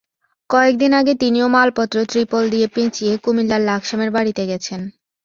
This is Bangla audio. কয়েক দিন আগে তিনিও মালপত্র ত্রিপল দিয়ে পেঁচিয়ে কুমিল্লার লাকসামের বাড়িতে গেছেন।